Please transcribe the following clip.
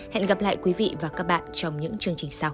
hẹn gặp lại quý vị và các bạn trong những chương trình sau